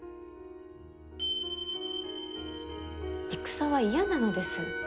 戦は嫌なのです。